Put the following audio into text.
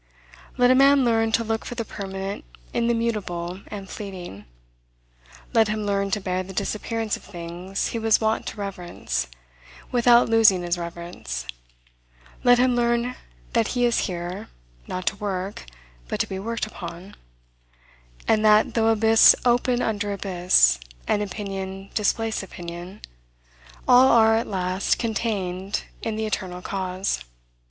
Let a man learn to look for the permanent in the mutable and fleeting; let him learn to bear the disappearance of things he was wont to reverence, without losing his reverence; let him learn that he is here, not to work, but to be worked upon; and that, though abyss open under abyss, and opinion displace opinion, all are at last contained in the Eternal cause.